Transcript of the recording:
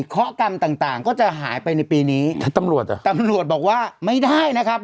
ข้อกรรมต่างต่างก็จะหายไปในปีนี้ถ้าตำรวจเหรอตำรวจบอกว่าไม่ได้นะครับ